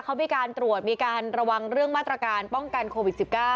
เขามีการตรวจมีการระวังเรื่องมาตรการป้องกันโควิด๑๙